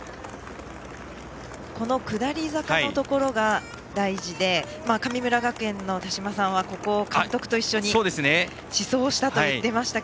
この下り坂が大事で神村学園の田島さんはここを監督と一緒に試走したといっていましたが。